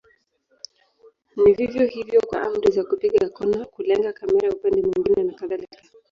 Ni vivyo hivyo kwa amri za kupiga kona, kulenga kamera upande mwingine na kadhalika.